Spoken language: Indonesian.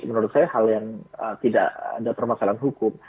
menurut saya hal yang tidak ada permasalahan hukum